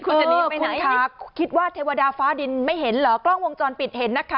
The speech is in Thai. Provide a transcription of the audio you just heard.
คุณค่ะคิดว่าเทวดาฟ้าดินไม่เห็นเหรอกล้องวงจอนปิดเห็นนะคะ